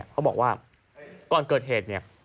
เขาบอกว่าก่อนเกิดเหตุ